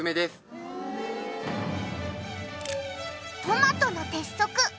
トマトの鉄則！